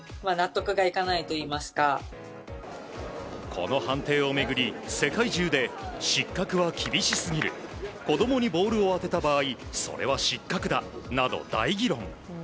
この判定を巡り、世界中で失格は厳しすぎる子供にボールを当てた場合それは失格だなど、大議論。